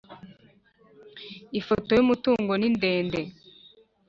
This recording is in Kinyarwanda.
ifoto y ‘umutungo nindende.